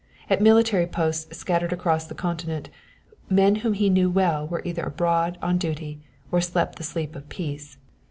At military posts scattered across the continent men whom he knew well were either abroad on duty, or slept the sleep of peace.